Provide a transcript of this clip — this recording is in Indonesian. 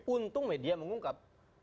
untung media mengungkap